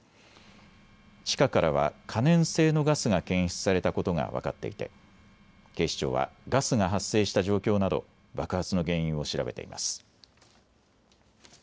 地下からは可燃性のガスが検出されたことが分かっていて警視庁はガスが発生した状況など爆発の原因を調べています。